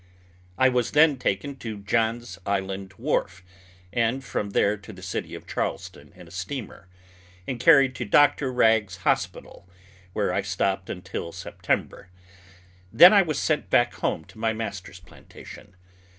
I was then taken to John's Island wharf, and from there to the city of Charleston in a steamer, and carried to Doctor Rag's hospital, where I stopped until September. Then I was sent back home to my master's plantation.